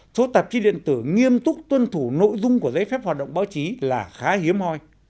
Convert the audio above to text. số tạp chí điện tử nghiêm túc tuân thủ nội dung của giấy phép hoạt động báo chí là khá hiếm hoi